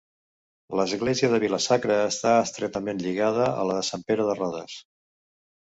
L'església de Vila-sacra està estretament lligada a la de Sant Pere de Rodes.